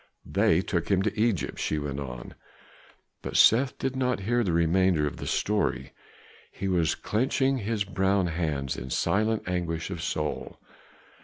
"They took him to Egypt " she went on. But Seth did not hear the remainder of the story; he was clenching his brown hands in silent anguish of soul.